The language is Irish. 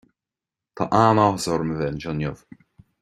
Tá an-áthas orm a bheith anseo inniu.